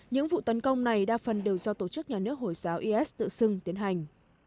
những vụ tấn công này đa phần đều do tổ chức nhà nước hồi giáo is tự xưng tiến hành